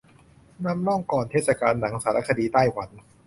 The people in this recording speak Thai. นำร่องก่อนเทศกาลหนังสารคดีไต้หวัน